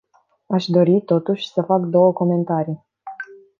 Aș dori, totuși, să fac două comentarii.